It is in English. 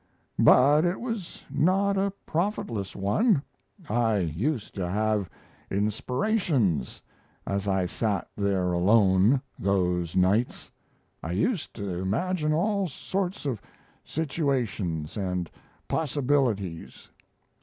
But it was not a profitless one: I used to have inspirations as I sat there alone those nights. I used to imagine all sorts of situations and possibilities.